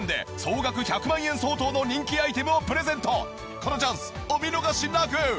このチャンスお見逃しなく！